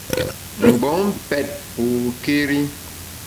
Mgbom pèt pokéri.